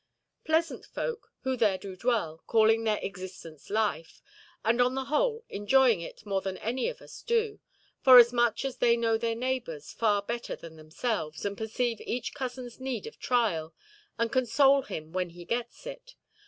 Pleasant folk, who there do dwell, calling their existence "life", and on the whole enjoying it more than many of us do; forasmuch as they know their neighbours far better than themselves, and perceive each cousinʼs need of trial, and console him when he gets it.